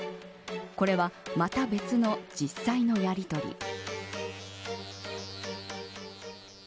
これはまた別の実際のやりとり。